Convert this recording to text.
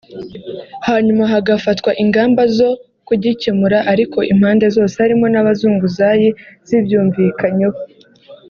hanyuma hagafatwa ingamba zo kugikemura ariko impande zose (harimo n’abazunguzayi) zibyumvikanyeho